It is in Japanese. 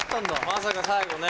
まさか最後ね。